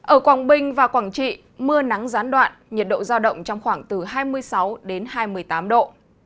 ở quảng bình và quảng trị mưa nắng gián đoạn nhiệt độ giao động trong khoảng từ hai mươi sáu đến hai mươi tám độ